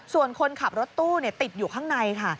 ส่วนคนขับรถตู้ติดอยู่ข้างในค่ะ